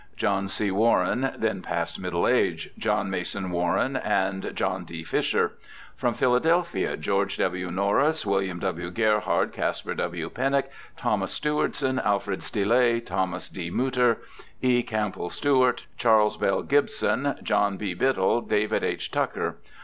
John C.Warren (then past middle age), John Mason Warren, and John D. Fisher. From Philadelphia: George W. Norris, William W. Gerhard, Caspar W. Pennock, Thomas Stewardson, Alfred Stille, Tnomas D. Mutter, E. Camp bell Stewart, Charles Bell Gibson, John B. Biddle, David H. Tucker.